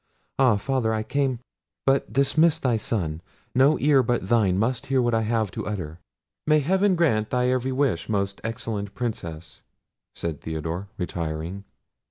—ah! Father, I came—but dismiss thy son. No ear but thine must hear what I have to utter." "May heaven grant thy every wish, most excellent Princess!" said Theodore retiring.